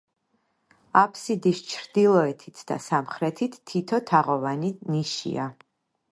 აბსიდის ჩრდილოეთით და სამხრეთით თითო თაღოვანი ნიშია.